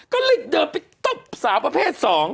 ก็เลยเดินไปตบสาวประเภท๒